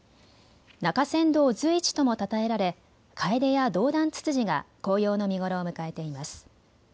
中山道随一ともたたえられカエデやドウダンツツジが紅葉の見頃を迎えています。